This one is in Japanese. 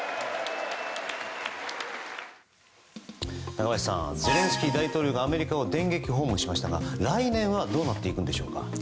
中林さんゼレンスキー大統領がアメリカを電撃訪問しましたが来年はどうなっていくんでしょうか。